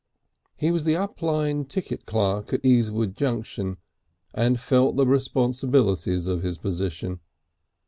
He was the up line ticket clerk at Easewood Junction, and felt the responsibilities of his position.